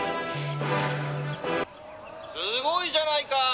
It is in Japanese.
「すごいじゃないか！